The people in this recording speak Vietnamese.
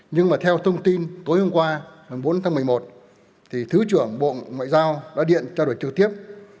nhưng mà theo thông tin tối hôm qua bốn tháng một mươi một thứ trưởng bộ ngoại giao đã điện cho đội trực tiếp